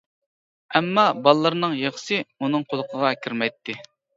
ئەمما بالىلىرىنىڭ يىغىسى ئۇنىڭ قۇلىقىغا كىرمەيتتى.